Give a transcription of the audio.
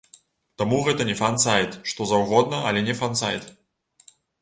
Таму гэта не фан-сайт, што заўгодна, але не фан-сайт.